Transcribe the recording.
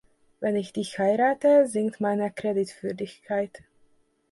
Wenn ich dich heirate, sinkt meine Kreditwürdigkeit.